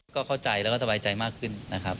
ก็เข้าใจและสบายใจมากขึ้น